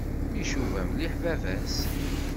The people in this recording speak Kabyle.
Icuba mliḥ baba-s.